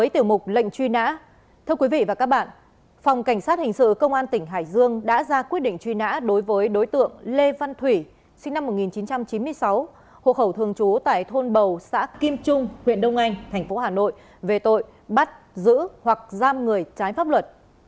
thành phố hà nội về tội bắt giữ hoặc giam người trái pháp luật